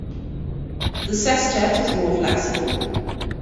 The sestet is more flexible.